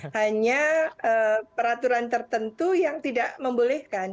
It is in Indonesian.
hanya peraturan tertentu yang tidak membolehkan